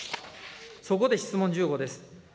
そこで質問１５です。